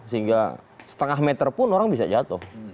sehingga setengah meter pun orang bisa jatuh